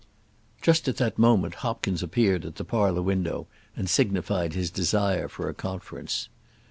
Just at that moment Hopkins appeared at the parlour window, and signified his desire for a conference.